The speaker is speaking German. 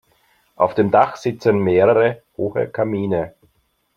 Auf dem Dach sitzen mehrere hohe Kamine.